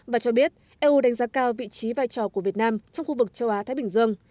và cho biết eu đánh giá cao vị trí vai trò của việt nam trong khu vực châu á thái bình dương